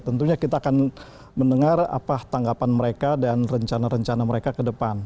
tentunya kita akan mendengar apa tanggapan mereka dan rencana rencana mereka ke depan